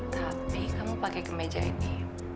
tapi kamu pakai kemeja ini